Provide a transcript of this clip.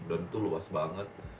dan itu luas banget